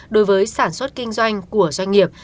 đối với sản xuất kinh doanh của doanh nghiệp